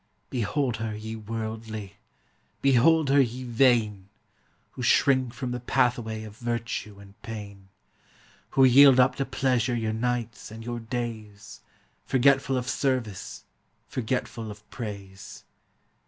Behold her, ye worldly! behold her, ye vain! Who shrink from the pathway of virtue and pain! Who yield up to pleasure your nights and your days, Forgetful of service, forgetful of praise.